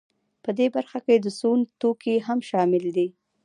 په دې برخه کې د سون توکي هم شامل دي